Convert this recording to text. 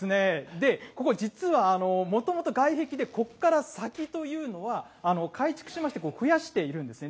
で、ここ、実はもともと外壁で、ここから先というのは改築しまして、増やしているんですね。